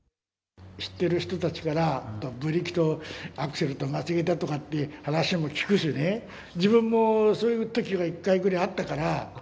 知ってる人たちから、ブレーキとアクセルと、間違えたとかって話も聞くしね、自分もそういうときが１回ぐらいあったから。